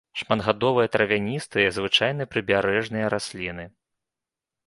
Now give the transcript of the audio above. Шматгадовыя травяністыя, звычайна прыбярэжныя расліны.